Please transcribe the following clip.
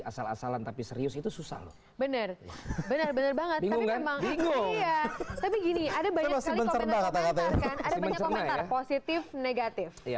asalan tapi serius itu susah loh bener bener banget tapi gini ada banyak positif negatif